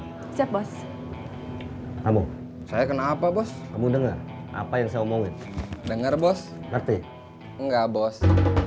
hai kamu saya kenapa bos kamu dengar apa yang saya omongin dengar bos ngerti enggak bos